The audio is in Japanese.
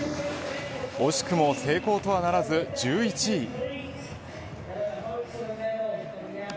惜しくも成功とはならず１１位。